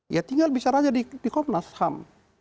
ya tinggal bisa saja di komnas ham